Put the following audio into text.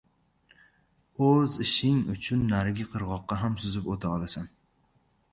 • O‘z ishing uchun narigi qirg‘oqqa ham suzib o‘ta olasan.